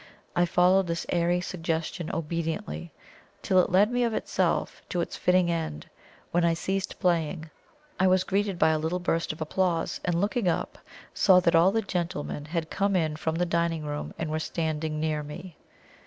I followed this airy suggestion obediently, till it led me of itself to its fitting end, when I ceased playing. I was greeted by a little burst of applause, and looking up, saw that all the gentlemen had come in from the dining room, and were standing near me.